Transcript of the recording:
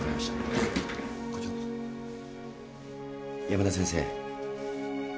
山田先生。